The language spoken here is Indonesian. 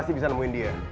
kau tak bisa mencoba